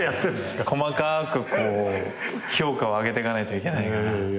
細かく評価を上げてかないといけないから。